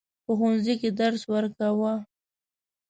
په ښوونځي کې درس ورکاوه.